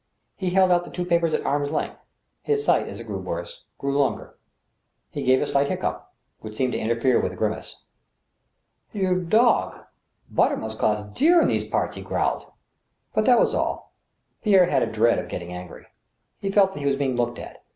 He held out the two papers at arm's length. His sight, as it g^ew worse, grew longer. He gave a slight hiccough, which seemed to interfere with a grimace. " You dog ! Butter must cost dear in these parts," he growled. But that was all. Pierre had a dread of getting angry. He felt that he was being looked at.